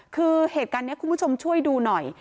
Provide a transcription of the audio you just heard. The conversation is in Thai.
คือเหตุการณ์นี้คุณผู้ชมช่วยดูหน่อย